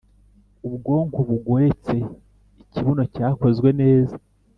ubwonko bugoretse, ikibuno cyakozwe neza,